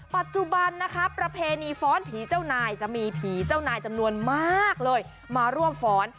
ปัจจุบันนะคะประเพณีฟ้อนผีเจ้านายจะมีผีเจ้านายจำนวนมากเลยมาร่วมฟ้อน